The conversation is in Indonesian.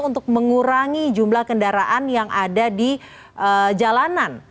untuk mengurangi jumlah kendaraan yang ada di jalanan